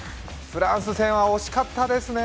フランス戦は惜しかったですね。